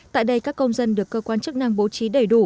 tại đây các công dân được cơ quan chức năng bố trí đầy đủ